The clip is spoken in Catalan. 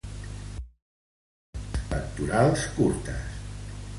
Aletes pectorals curtes.